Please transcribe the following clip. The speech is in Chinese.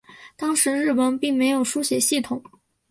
当时日文并没有书写系统。